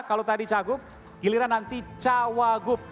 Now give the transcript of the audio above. kalau tadi cagup giliran nanti cawagup